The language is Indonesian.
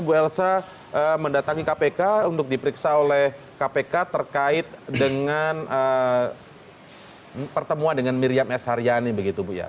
bu elsa mendatangi kpk untuk diperiksa oleh kpk terkait dengan pertemuan dengan miriam s haryani begitu bu ya